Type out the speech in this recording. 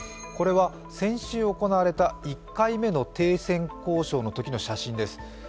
これは先週行われた１回目の停戦交渉のときの写真です。